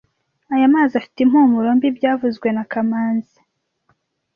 Aya mazi afite impumuro mbi byavuzwe na kamanzi